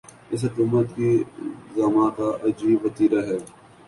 اس حکومت کے زعما کا عجیب وتیرہ ہے۔